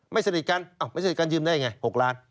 ไม่สนิทกันไม่สนิทกันยืมได้อย่างไร๖ล้าน